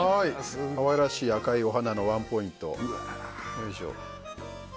可愛らしい赤いお花のワンポイント。